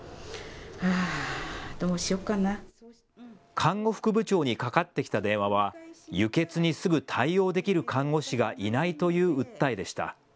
看護副部長にかかってきた電話は輸血にすぐ対応できる看護師がいないという訴えでした。